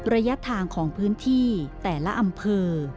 ระยะทางของพื้นที่แต่ละอำเภอ